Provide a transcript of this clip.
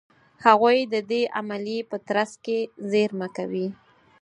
هغوی د دې عملیې په ترڅ کې زېرمه کوي.